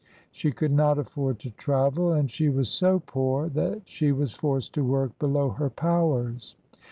She could not afford to travel, and she was so poor that she was forced to work below her powers.